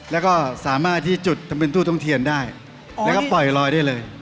แล้วก็สามารถที่จุดทำเป็นตู้ทุ่มเทียนได้แล้วก็ปล่อยลอยได้เลย